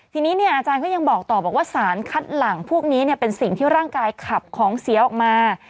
ทีนี้อาจารย์ก็ยังบอกต่อบอกว่าสารคัดหลังพวกนี้เป็นสิ่งที่ร่างกายขับของเสียออกมา